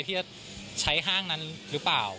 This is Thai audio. ที่จะใช้ห้างนั้นหรือเปล่า